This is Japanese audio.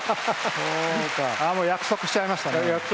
約束しちゃいましたね。